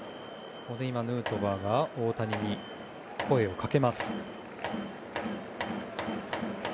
ヌートバーが大谷に声をかけました。